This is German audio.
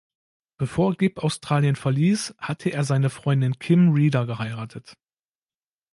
Bevor Gibb Australien verließ, hatte er seine Freundin Kim Reeder geheiratet.